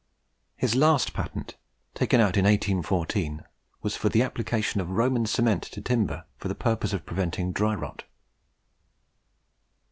His last patent, taken out in 1814, was for the application of Roman cement to timber for the purpose of preventing dry rot.